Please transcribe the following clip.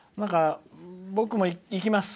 僕も行きます。